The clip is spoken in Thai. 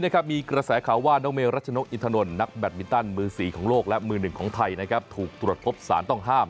ตรวจพบสารต้องห้าม